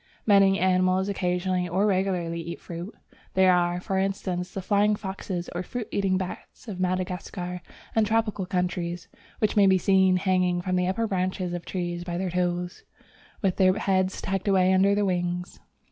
Many animals occasionally or regularly eat fruits. There are, for instance, the flying foxes or fruit eating bats of Madagascar and tropical countries, which may be seen hanging from the upper branches of trees by their toes, with their heads tucked away under their wings.